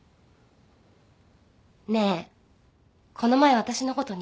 ねえこの前私のこと